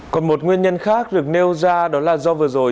còn một nguyên nhân khác được nêu ra đó là do vừa rồi